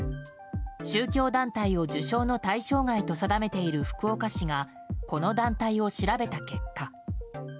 宗教団体を受賞の対象外と定めている福岡市がこの団体を調べた結果。